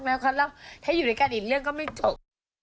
แล้วถ้าอยู่ด้วยกันอีกเรื่องก็ไม่จบ